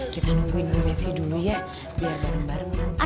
kita nungguin mbah messi dulu ya biar bareng bareng nanti kita